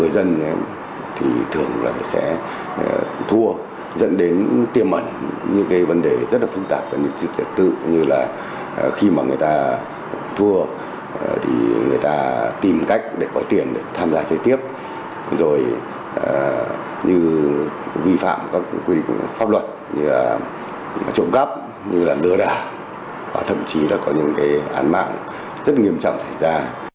rồi như vi phạm các quy định pháp luật như trộm cắp lừa đảo và thậm chí có những án mạng rất nghiêm trọng thể ra